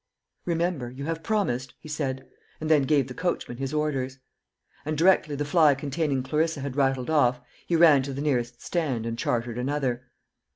"Remember, you have promised," he said, and then gave the coachman his orders. And directly the fly containing Clarissa had rattled off, he ran to the nearest stand and chartered another.